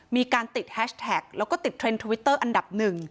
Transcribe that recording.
มีการติดแฮชแท็กแล้วก็ติดเทรนด์ทวิตเตอร์อันดับหนึ่ง